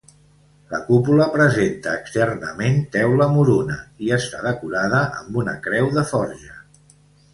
La cúpula presenta externament teula moruna i està decorada amb una creu de forja.